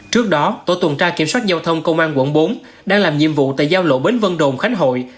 trước đó tổ tuần tra kiểm soát giao thông công an quận bốn đang làm nhiệm vụ tại giao lộ bến vân đồn khánh hội